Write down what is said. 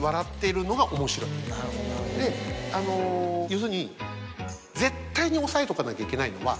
要するに絶対に押さえとかなきゃいけないのは。